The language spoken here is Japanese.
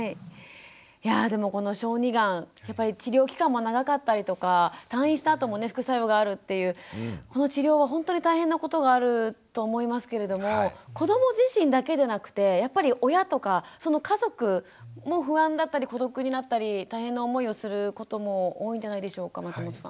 いやぁでもこの小児がんやっぱり治療期間も長かったりとか退院したあともね副作用があるっていうこの治療は本当に大変なことがあると思いますけれども子ども自身だけでなくてやっぱり親とかその家族も不安だったり孤独になったり大変な思いをすることも多いんじゃないでしょうか松本さん。